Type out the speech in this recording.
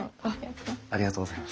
ありがとうございます。